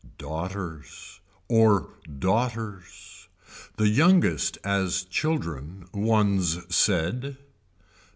Daughters. Or daughters. The youngest as children One's said.